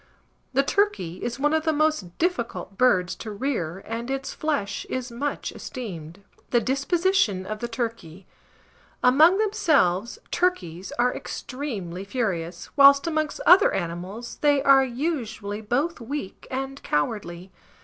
The turkey is one of the most difficult birds to rear, and its flesh is much esteemed. THE DISPOSITION OF THE TURKEY. Among themselves, turkeys are extremely furious, whilst amongst other animals they are usually both weak and cowardly.